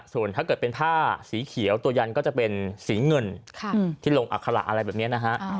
ส่วนถ้าเกิดเป็นผ้าสีเขียวตัวยันก็จะเป็นสีเงินที่ลงอัคระอะไรแบบนี้นะฮะ